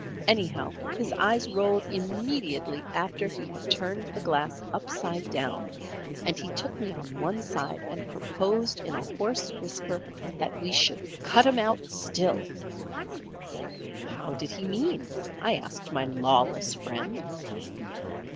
Anyhow his eyes rolled immediately after he had turned the glass upside down, and he took me on one side and proposed in a hoarse whisper that we should "Cut 'em out still." "How did he mean?" I asked my lawless friend.